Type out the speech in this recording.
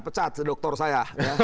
pecat dokter saya